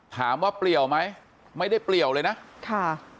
เปลี่ยวไหมไม่ได้เปลี่ยวเลยนะค่ะ